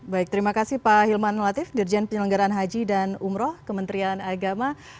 baik terima kasih pak hilman latif dirjen penyelenggaran haji dan umroh kementerian agama